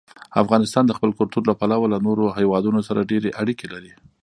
افغانستان د خپل کلتور له پلوه له نورو هېوادونو سره ډېرې اړیکې لري.